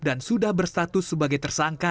dan sudah berstatus sebagai tersangka